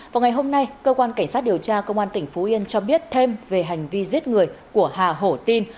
vào ngày hôm nay cơ quan cảnh sát điều tra công an tỉnh phú yên cho biết thêm về hành vi giết người của hà hổ tin